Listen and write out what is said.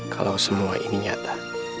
kalau semua ini nyata